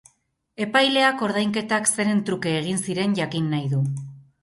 Epaileak ordainketak zeren truke egin ziren jakin nahi du.